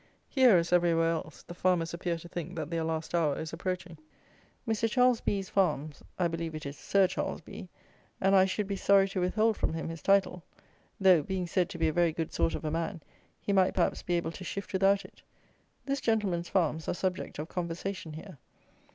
Here, as everywhere else, the farmers appear to think that their last hour is approaching. Mr. Charles B 's farms; I believe it is Sir Charles B ; and I should be sorry to withhold from him his title, though, being said to be a very good sort of a man, he might, perhaps, be able to shift without it: this gentleman's farms are subject of conversation here.